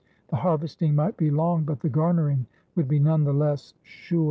The harvesting might be long but the garnering would be none the less sure.